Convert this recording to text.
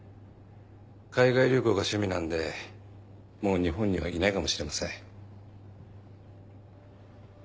海外旅行が趣味なんでもう日本にはいないかもしれません。